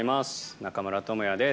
中村倫也です。